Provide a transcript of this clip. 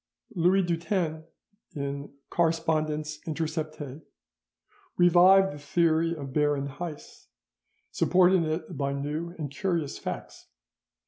Louis Dutens, in 'Correspondence interceptee' (12mo, 1789), revived the theory of Baron Heiss, supporting it by new and curious facts.